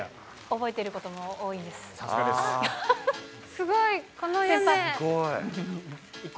覚えてることも多いんです。